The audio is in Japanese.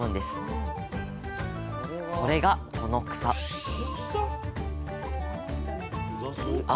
それがこの草あ！